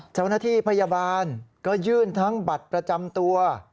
เจ้าหน้าที่พยาบาลก็ยื่นทั้งบัตรประจำตัว